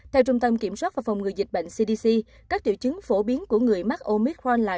theo trung tâm kiểm soát và phòng ngừa dịch bệnh cdc các triệu chứng phổ biến của người mắc oid hondlin